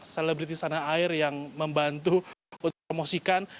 selebriti sana air yang membantu untuk promosikan